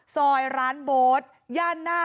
ซอยร้านโบ๊ทย่านหน้า